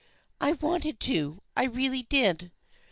" I wanted to. I really did."